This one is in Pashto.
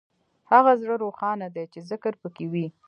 هغه زړه روښانه دی چې ذکر پکې وي.